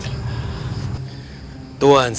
saya sudah berangkat